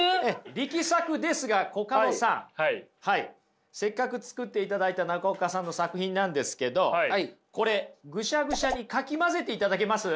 力作ですがコカドさんせっかく作っていただいた中岡さんの作品なんですけどこれぐしゃぐしゃにかき混ぜていただけます？